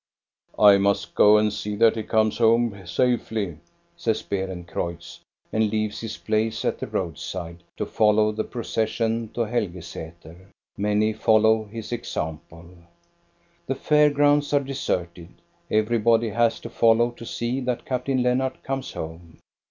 "I must go and see that he comes home safely," says Beerencreutz, and leaves his place at the road side to follow the procession to Helgesater. Many follow his example. The fair grounds are deserted. Everybody has to follow to see that Captain Lennart comes home.